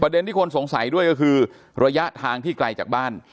ที่คนสงสัยด้วยก็คือระยะทางที่ไกลจากบ้าน